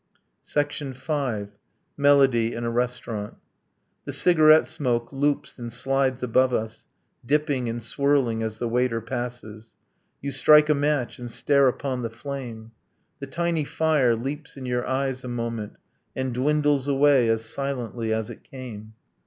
... V. MELODY IN A RESTAURANT The cigarette smoke loops and slides above us, Dipping and swirling as the waiter passes; You strike a match and stare upon the flame. The tiny fire leaps in your eyes a moment, And dwindles away as silently as it came.